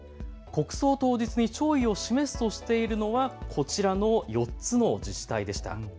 国葬当日に弔意を示すとしているのはこちらの４つの自治体でした。